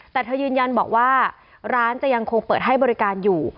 แต่เธอยืนยันบอกว่าร้านจะยังคงเปิดให้บริการอยู่